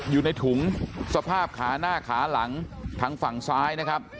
อยู่ในถุงสภาพขาหน้าขาหลังทางฝั่งซ้ายนะครับ